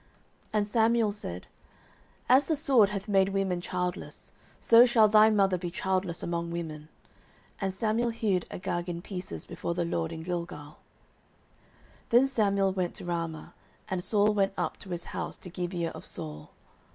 09:015:033 And Samuel said, As the sword hath made women childless, so shall thy mother be childless among women. And Samuel hewed Agag in pieces before the LORD in Gilgal. 09:015:034 Then Samuel went to Ramah; and Saul went up to his house to Gibeah of Saul.